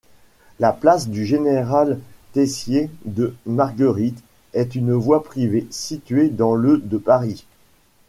La place du Général-Teissier-de-Marguerittes est une voie privée située dans le de Paris.